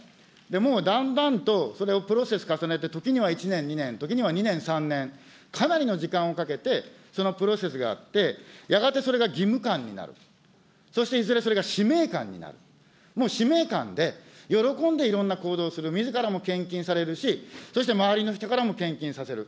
もうだんだんと、それをプロセスを重ねて、時には１年、２年、ときには２年、３年、かなり時間をかけて、そのプロセスがあって、やがてそれが義務感になる、そしていずれそれが使命感になる、もう使命感で、喜んでいろんな行動をする、みずからも献金されるし、そして周りの人からも献金させる。